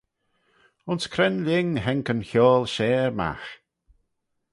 Ayns cre'n lhing haink yn chiaull share magh?